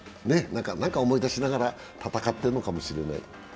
何か思い出しながら戦っているのかもしれない。